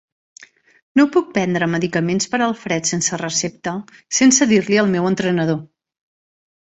No puc prendre medicaments per al fred sense recepta sense dir-li al meu entrenador.